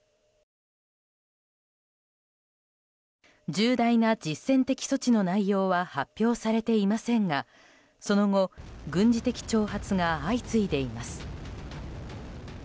重大な実践的措置の内容は発表されていませんがその後、軍事的挑発が相次いでいます。